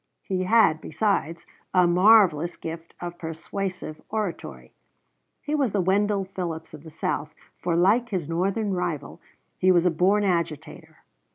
He had, besides, a marvelous gift of persuasive oratory. He was the Wendell Phillips of the South, for, like his Northern rival, he was a born agitator.